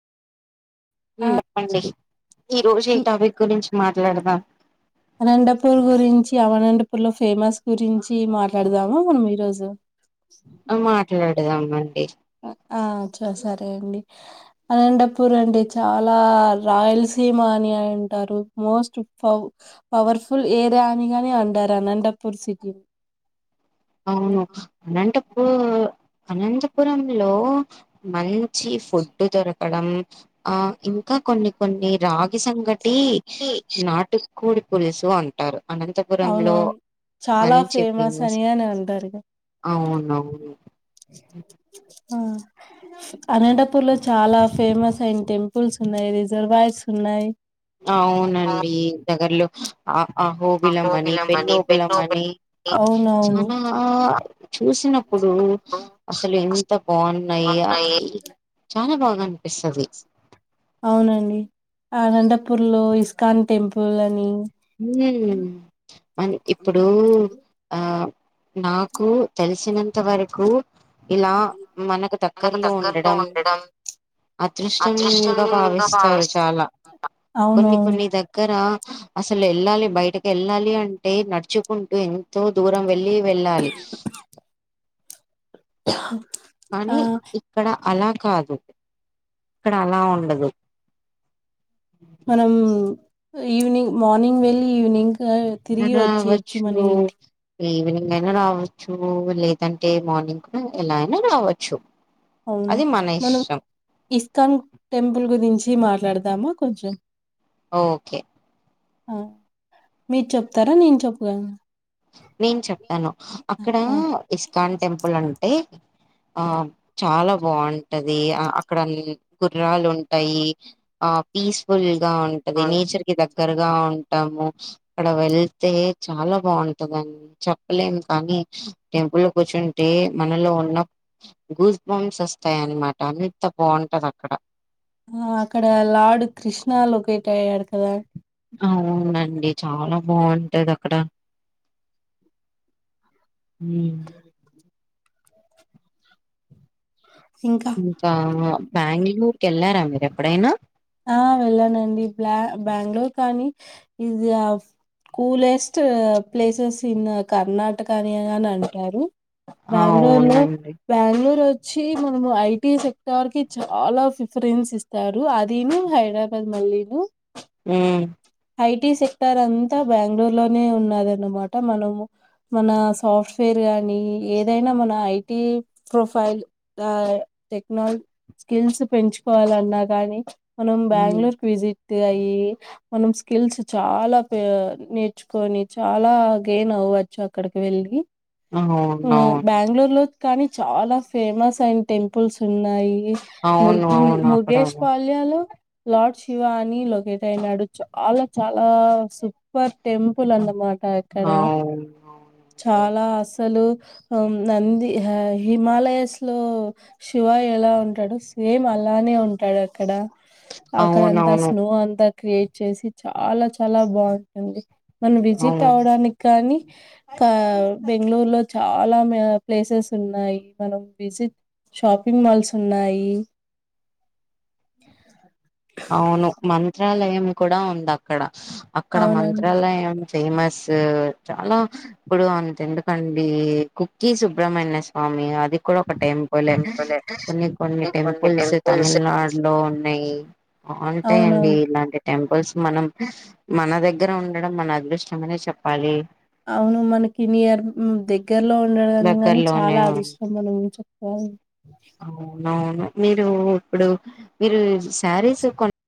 హు ఆ బాగుంటది ఈ రోజు ఈ టాపిక్ గురించి మాట్లాడుదాం అనంతపూర్ గురించి అనంతపూర్ లో ఫేమస్ గురించి మాట్లాడదామ మనం ఈరోజు అ మాట్లాడు లేదా అవునండి ఆ చా సరే అండి అనంతపూర్ అండి చాలా రాయలసీమ అని అంటారు most pow powerful area అని గాని అంటారు అనంతపూర్ సిటీ అవును అనంత ఓ అనంతపురం లో మంచి ఫుడ్ దొరకడం ఆ ఇంకా కొన్ని కొన్ని రాగి సంగ టీ నాటు కోడి పులుసు అంటారు అనంతపురంలో అవునవును చాలా ఫేమస్ అది గాని అంటారు గా ఉహు ఉహు అ అనంతపూర్ లో చాలా ఫేమస్ అయిన టెంపుల్స్ ఉన్నాయి రిజర్వాయర్స్ ఉన్నాయి అవునండి దగ్గర్లో అ అహోబిలమని పెన్నోబిలమని అవునవును చాలా చూసినప్పుడు అసలు ఎంత బాగున్నాయ ఇ చాల బాగా అనిపిస్తది అవునండి అనంతపూర్ లో ఇస్కాన్ టెంపుల్ అని [unintelligible] ఇప్పుడూ ఆ నాకు తెలిసినన్ ఇంత వరకు ఇలా మనకు దగ్గరలో ఉండడం అదృష్టంగా భావిస్తారు చాల కొన్ని అవునవును కొన్ని దగ్గర హా అసలు వెళ్ళాలి బయటకి వెళ్ళాలి అంటే నడుచుకుంటూ ఎంతో దూరం వెళ్లి వెళ్లాలి ఆ కానీ ఇక్కడ అల కాదు ఇక్కడ అల ఉండదు మనం ఈవినింగ్ మార్నింగ్ వెళ్లి ఈవినింగ్ అ తిరిగి వచ్చేయొచ్చు రావచ్చు మనింటి ఈవినింగ్ అయినా రావచ్చు లేదంటే మార్నింగ్ కూడ ఎలా అయినా రావచ్చు అవును అది మన మనం ఇష్టం. ఇస్కాన్ టెంపుల్ గురించి మాట్లాడ దమ కొంచం ఓకే ఆ మీరు చెప్తారా నేను చెప్పగలన నేను చెప్తాను అక్కడ ఆ ఇస్కాన్ టెంపుల్ అంటే ఆ చాలా బాగుంటది అక్కడ గుర్రాలు ఉంటాయి ఆ పీస్ఫుల్ గా ఉంటది నేచర్ కి ద దగ్గరగా ఉంటాము అక్కడ వెళ్తే చాలా బాగుం ని చెప్పలేము కానీ టెంపుల్లో కూర్చుంటే మనలో ఉన్న గూస్ బంస్ వస్తాయిన్నమాట అంత బాగుంటది అక్కడ ఆ అక్కడ లార్డు కృష్ణ లొకేట్ అయ్యాడు కదా అవునండి చాలా బాగుంటది అక్కడ అ ఇంకా బ్యాంగ్ళూరు కెళ్లారా మీరు ఎప్పుడైనా ఆ వెళ్ళానండి బ్యా బెంగళూరు కానీ ఈజ్ కూలెస్ట్ ప్లేసెస్ ఇన్ కర్ణాటకని అని అంటారు ఆ బ్యాంగ్ళూరు లో అవునండి. బ్యాంగ్ళూరు వ చ్చి మనము ఐటి సెక్టర్ కి చాలా ఫిఫరెన్స్ ఇస్తారు అది దీము హైదరాబాద్ మల్లిను అ ఐటీ సెక్టర్ అంతా బెంగళూరులోనే ఉన్నదన్నమాట మనము మన సాఫ్ట్వేర్ కానీ ఏదైనా మన ఐటీ ప్రొఫైల్ టెక్నాల స్కిల్స్ పెంచుకోవాలన్నా కానీ మనం ఉమ్ బ్యాంగ్ళూరు కి విజి అయిి మనం స్కిల్స్ చాలా నేర్చుకొని చాలా గెన్ అవ్వచ్చు అక్కడికి వెళ్ళి అవునవును బెంగళూరు లో కానీ చాలా ఫేమస్ అయిన టెంపుల్స్ ఉన్నాయి ము అవును అవును అక్కడ ముర్గేష్ పాల ఇయాలో లార్డ్ శివా అని లొకేట్ అయినాడు చాలా చాలా సూపర్ టెంపుల్ అన్నమాట అక్కడ అవునవునండి చాలా అసలు నంది హిమాలయస్ లో శివ ఎలా ఉంటాడు సేమ్ అలానే ఉంటాడు ఎక్కడ ఆక్కడ అంద అవునవును స్నో అంద క్రియేట్ చేసి చాలా చాలా బాగుంటుంది మనం విజిట్ అవును అవడానికి కానీ బెంగళూరులో చాలా ప్లేసెస్ ఉన్నాయి మనం విజిట్ షాపింగ్ మాల్స్ ఉన్నాయి అవును మంత చత్రాలయం కూడా ఉంది అక్కడ అక్కడ అవునండి మంత్రాలయం ఏ ఫేమస్ చాలా ఇప్పుడు అంత ఎందుకండి కుకిీ సుబ్ర్మణ్య స్వామి ఇది కూడా ఒక టెంపుల్ కొన్ని కొన్ని టెంపుల్స్ తమిళనాడు లో ఉన్నాయి ఉంటాయండి అవునవును ఇలాంటి టెంపుల్స్ మనం మన దగ్గర ఉండడం మన అదృష్ట అనే చెప్పాలి అవును మనకి నియర్ దగ్గరలో ఉండడం కాని దగ్గరలోనే చాలా అదృష్టం మనం చెప్పాలి అవును అవును మీరు ఇప్పుడు మీరు శారీస్ కొ